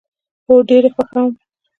هو، ډیر یي خوښوم